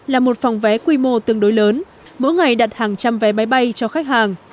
là một phòng vé quy mô tương đối lớn mỗi ngày đặt hàng trăm vé máy bay cho khách hàng